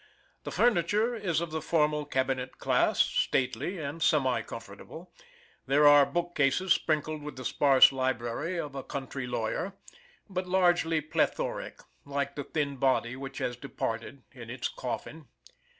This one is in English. The furniture is of the formal cabinet class, stately and semi comfortable; there are book cases sprinkled with the sparse library of a country lawyer, but lately plethoric, like the thin body which has departed in its coffin.